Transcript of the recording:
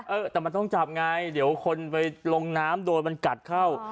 เออแต่มันต้องจับไงเดี๋ยวคนไปลงน้ำโดนมันกัดเข้า